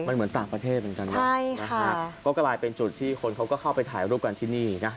มันเหมือนต่างประเทศเหมือนกันนะก็กลายเป็นจุดที่คนเขาก็เข้าไปถ่ายรูปกันที่นี่นะ